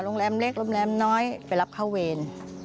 โรงแรมเล็กโรงแรมน้อยไปรับเข้าเวร